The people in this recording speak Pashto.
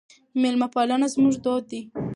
میلمه پالنه زموږ دود دی.